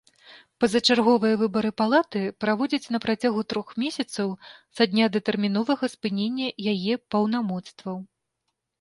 Пазачарговыя выбары палаты праводзяць на працягу трох месяцаў са дня датэрміновага спынення яе паўнамоцтваў.